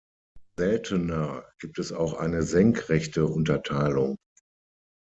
Seltener gibt es auch eine senkrechte Unterteilung.